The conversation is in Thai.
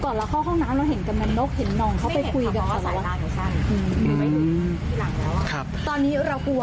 ก่อนเราเข้าห้องน้ำเราเห็นกำลังนกเห็นนองเข้าไปคุย